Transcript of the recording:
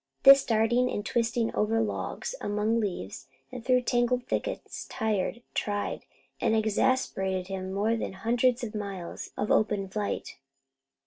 This darting and twisting over logs, among leaves, and through tangled thickets, tired, tried, and exasperated him more than hundreds of miles of open flight.